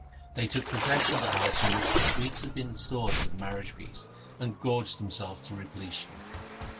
They took possession of the house in which the sweets had been stored for the marriage feast, and gorged themselves to repletion.